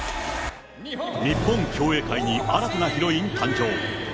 日本競泳界に新たなヒロイン誕生。